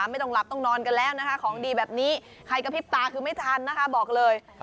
ไม่ต้องหลับต้องนอนกันแล้วนะคะของดีแบบนี้ใครกระพริบตาคือไม่ทันนะคะบอกเลย